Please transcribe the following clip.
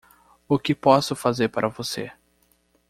O que posso fazer para você?